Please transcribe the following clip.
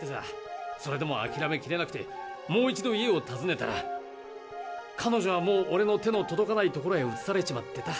それでもあきらめきれなくてもう一度家を訪ねたら彼女はもうオレの手の届かない所へ移されちまってた。